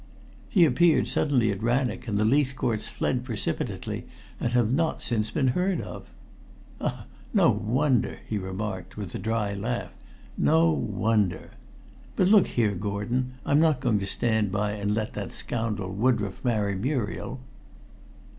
"He appeared suddenly at Rannoch, and the Leithcourts fled precipitately and have not since been heard of." "Ah, no wonder!" he remarked with a dry laugh. "No wonder! But look here, Gordon, I'm not going to stand by and let that scoundrel Woodroffe marry Muriel."